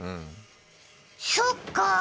そっか。